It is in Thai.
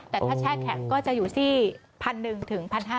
แต่ถ้าแช่แข็งก็จะอยู่ที่๑๑๐๐ถึง๑๕๐๐